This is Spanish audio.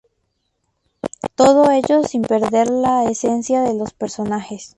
Todo ello sin perder la esencia de los personajes.